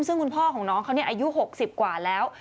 ซึ่งคุณพ่อของน้องเขาอายุ๖๐กว่าแล้ว